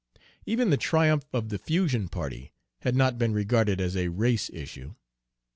Even the triumph of the Fusion party had not been regarded as a race issue.